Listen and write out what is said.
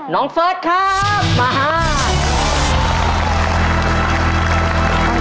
น้องเฟิร์ตครับมาฮาล